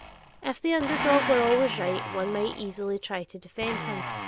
If the under dog were always right, one might quite easily try to defend him.